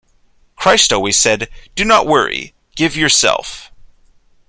Christ always said, 'Do not worry, give yourself'.